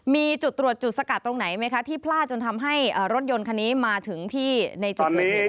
มีจุดตรวจจุดสกัดตรงไหนไหมคะที่พลาดจนทำให้รถยนต์คันนี้มาถึงที่ในจุดเกิดเหตุ